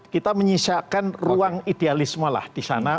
kita menyisakan ruang idealisme lah disana